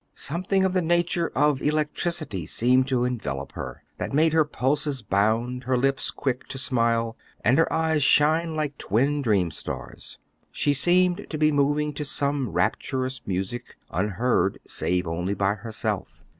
Something of the nature of electricity seemed to envelop her, that made her pulses bound, her lips quick to smile, and her eyes shine like twin dreamstars. She seemed to be moving to some rapturous music unheard save only by herself.